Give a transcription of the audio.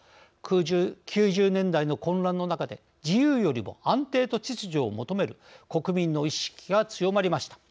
９０年代の混乱の中で自由よりも安定と秩序を求める国民の意識が強まりました。